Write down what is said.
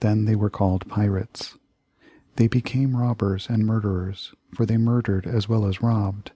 Then they were called pirates. They became robbers and murderers, for they murdered as well as robbed.